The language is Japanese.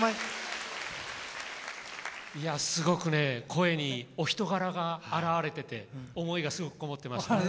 すごく声にお人柄が表れてて思いがすごく籠もってました。